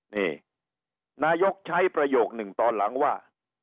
นี่นายกใช้ประโยคหนึ่งตอนหลังว่า